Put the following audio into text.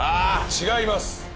違います